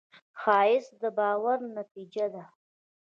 ښایست د باور نتیجه ده